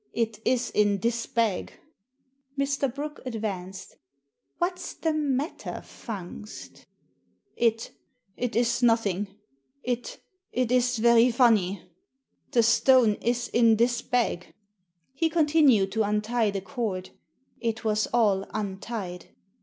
" It is in this bag." Mr. Brooke advanced. " What's the matter, Fungst ?"" It — it is nothing. It — it is very^ funny. The stone is in this bag." He continued to untie the cord. It was all untied.